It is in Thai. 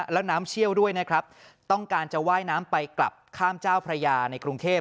แล้วน้ำเชี่ยวด้วยนะครับต้องการจะว่ายน้ำไปกลับข้ามเจ้าพระยาในกรุงเทพ